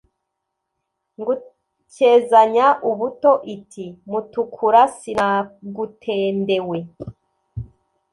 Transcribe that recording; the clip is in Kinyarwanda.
Ngukezanya-ubuto Iti: Mutukura sinagutendewe,